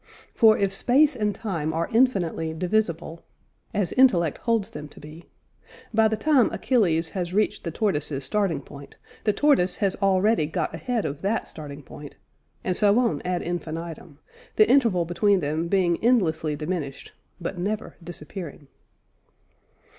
For if space and time are infinitely divisible (as intellect holds them to be), by the time Achilles has reached the tortoise's starting point, the tortoise has already got ahead of that starting point, and so on ad infinitum; the interval between them being endlessly diminished, but never disappearing.